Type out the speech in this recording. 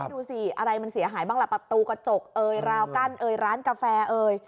ดูสิอะไรมันเสียหายบ้างล่ะประตูกระจกเอยราวกั้นเอ่ยร้านกาแฟเอ่ย